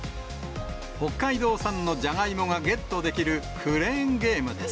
北海道産のじゃがいもがゲットできるクレーンゲームです。